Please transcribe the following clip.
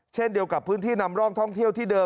เช่นเดียวกับพื้นที่นำร่องท่องเที่ยวที่เดิม